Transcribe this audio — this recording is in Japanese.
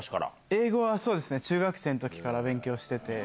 映画は、そうですね、中学生のときから勉強してて。